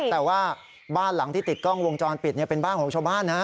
แต่ว่าบ้านหลังที่ติดกล้องวงจรปิดเป็นบ้านของชาวบ้านนะ